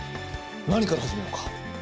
何から始めようか？